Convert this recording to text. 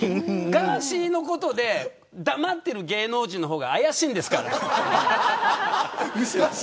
ガーシーのことで黙っている芸能人の方が怪しいですからね。